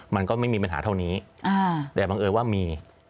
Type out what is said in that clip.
มันก็ไม่มีปัญหาเท่านี้แต่บังเอิญว่ามี